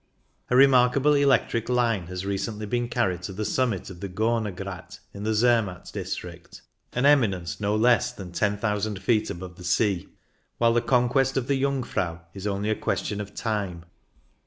A remarkable electric line has recently been carried to the summit of the Gorner Grat, in the Zermatt district, an eminence H 128 CYCLING IN THE ALPS no less than 10,000 feet above the sea, while the conquest of the Jungfrau is only a question of time.